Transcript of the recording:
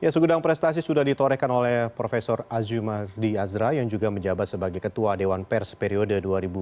segedang prestasi sudah ditorekan oleh prof azimardi azra yang juga menjabat sebagai ketua dewan pers periode dua ribu dua puluh dua dua ribu dua puluh lima